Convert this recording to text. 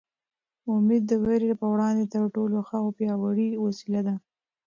امېد د وېرې په وړاندې تر ټولو ښه او پیاوړې وسله ده.